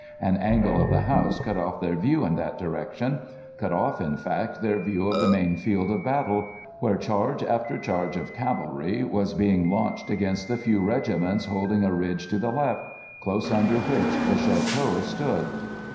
An angle of the house cut off their view in that direction—cut off in fact, their view of the main field of battle, where charge after charge of cavalry was being launched against the few regiments holding a ridge to the left, close under which the château stood.